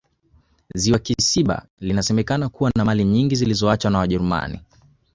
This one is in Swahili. ziwa kisiba linasemekana kuwa na mali nyingi zilizoachwa na wajerumani